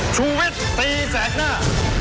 ชูเว็ตตีแสกหน้า